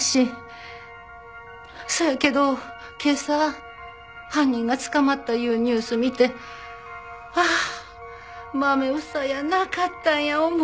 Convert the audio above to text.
そやけど今朝犯人が捕まったいうニュース見てああまめ房やなかったんや思うて。